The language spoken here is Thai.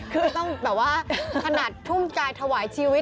แบบว่าถนัดทุ่มกายถวายชีวิต